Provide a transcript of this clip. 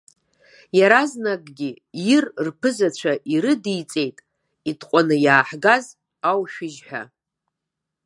Иаразнакгьы ир рԥызацәа ирыдиҵеит итҟәан иааҳгаз аушәыжь ҳәа.